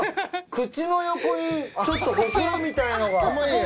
口の横にちょっとほくろみたいなのが。